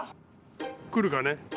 来るかね？